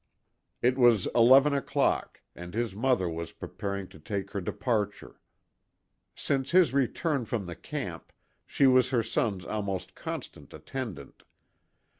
It was eleven o'clock, and his mother was preparing to take her departure. Since his return from the camp she was her son's almost constant attendant.